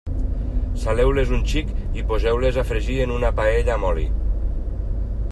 Saleu-les un xic i poseu-les a fregir en una paella amb oli.